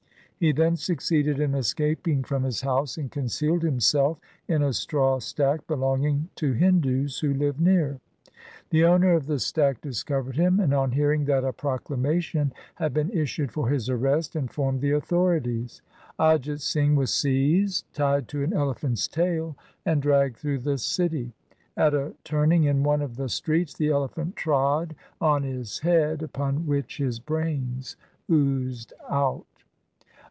He then succeeded in escaping from his house and concealed himself in a straw stack belonging to Hindus who lived near. The owner of the stack discovered him and on hearing that a proclamation had been issued for his arrest, informed the authorities. Ajit Singh was seized, tied to an elephant's tail, and dragged through the city. At a turning in one of the streets the elephant trod on his head, upon which his brains oozed out.